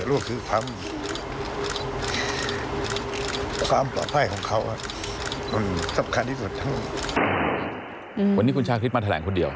วันนี้คุณชาคริสมาแถลงคนเดียว